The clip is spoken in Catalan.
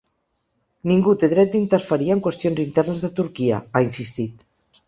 “Ningú té dret d’interferir en qüestions internes de Turquia”, ha insistit.